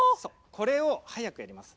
これを速くやります。